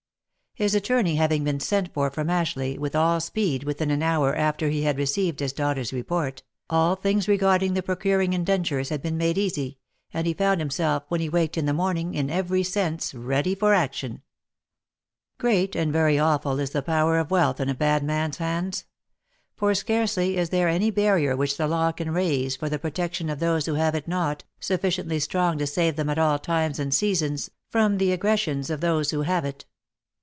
His attorney having been sent for from Ashleigh with all speed within an hour after he had received his daughter's report, all things regarding the procuring in dentures had been made easy, and he found himself when he waked in the morning, in every sense ready for action. Great, and very awful is the power of wealth in a bad man's hands ; for scarcely is there any barrier which the law can raise for the protec tion of those who have it not, sufficiently strong to save them at all times and seasons, from the aggressions of those who have it.